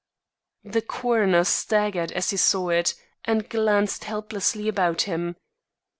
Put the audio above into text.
The coroner staggered as he saw it, and glanced helplessly about him.